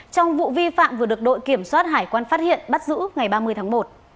trong vụ vi phạm vừa được đội kiểm soát hải quan phát hiện bắt giữ ngày ba mươi tháng một